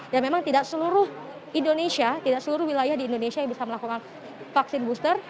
dan memang tidak seluruh indonesia tidak seluruh wilayah di indonesia yang bisa melakukan vaksin booster